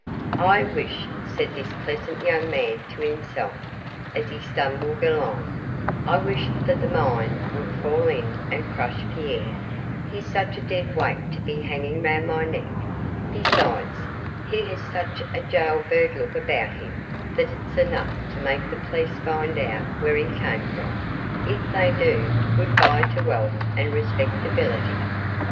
"I wish," said this pleasant young man to himself, as he stumbled along, "I wish that the mine would fall in and crush Pierre; he's such a dead weight to be hanging round my neck; besides, he has such a gaol bird look about him that it's enough to make the police find out where he came from; if they do, good bye to wealth and respectability."